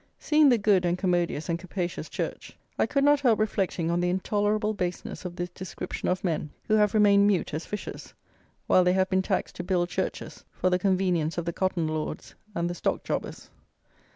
Seeing the good and commodious and capacious church, I could not help reflecting on the intolerable baseness of this description of men, who have remained mute as fishes, while they have been taxed to build churches for the convenience of the Cotton Lords and the Stock Jobbers.